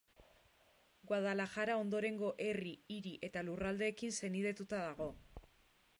Guadalajara ondorengo herri, hiri eta lurraldeekin senidetuta dago.